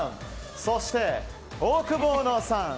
そしてオオクボーノさん。